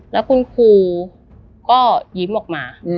แล้วคุณครูก็ยิ้มออกมา